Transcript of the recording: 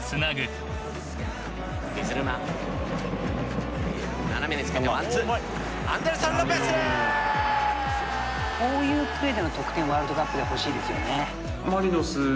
こういうプレーでの得点ワールドカップで欲しいですよね。